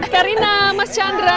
karina mas chandra